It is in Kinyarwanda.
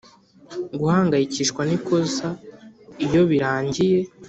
guhangayikishwa n'ikosa iyo birangiye